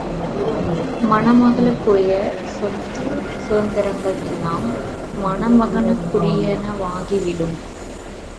மணமகளுக்குரிய சொத்து சுதந்திரங்கள் எல்லாம் மணமகனுக்குரியனவாகிவிடும்.